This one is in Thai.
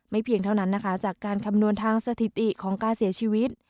เพียงเท่านั้นนะคะจากการคำนวณทางสถิติของการเสียชีวิต